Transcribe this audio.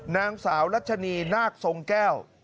นางสาวรัชนีนาคทรงแก้ว